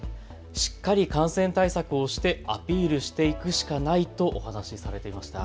しっかり感染対策をしてアピールしていくしかないとお話しされていました。